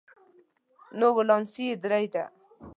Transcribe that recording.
نو ولانس یې درې دی.